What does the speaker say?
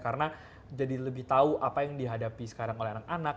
karena jadi lebih tahu apa yang dihadapi sekarang oleh anak anak